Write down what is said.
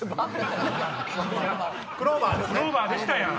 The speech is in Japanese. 「クローバー」でしたやん！